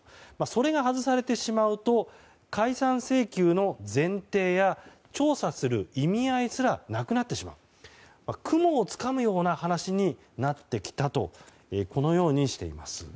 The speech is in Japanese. それが外されてしまうと解散請求の前提や調査する意味合いすらなくなってしまう雲をつかむような話になってきたとこのようにしています。